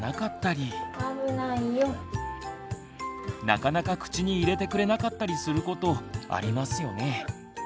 なかなか口に入れてくれなかったりすることありますよね。